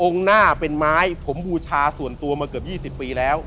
หน้าเป็นไม้ผมบูชาส่วนตัวมาเกือบ๒๐ปีแล้ว